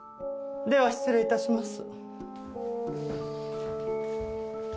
では失礼致します。